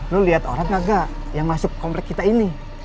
lo liat orang gak yang masuk komplek kita ini